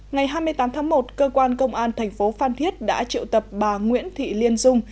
ngày hai mươi tám tháng một cơ quan công an thành phố phan thiết đã triệu tập bà nguyễn thị liên dung